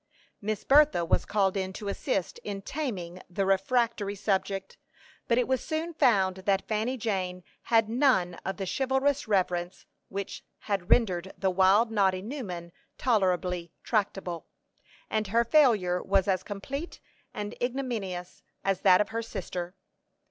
Miss Bertha was called in to assist in taming the refractory subject; but it was soon found that Fanny Jane had none of the chivalrous reverence which had rendered the wild Noddy Newman tolerably tractable, and her failure was as complete and ignominious as that of her sister.